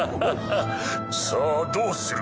さあどうする？